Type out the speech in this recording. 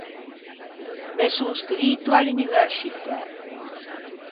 Me son scrito à l’universcitæ.